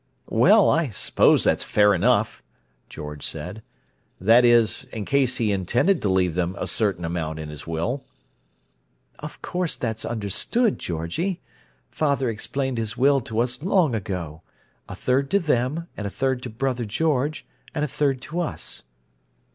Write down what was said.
"Well, I suppose that's fair enough," George said. "That is, in case he intended to leave them a certain amount in his will." "Of course that's understood, Georgie. Father explained his will to us long ago; a third to them, and a third to brother George, and a third to us."